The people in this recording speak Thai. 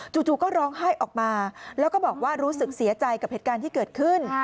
จู่ก็ร้องไห้ออกมาแล้วก็บอกว่ารู้สึกเสียใจกับเหตุการณ์ที่เกิดขึ้น